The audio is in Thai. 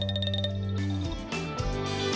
เมื่อกรมดี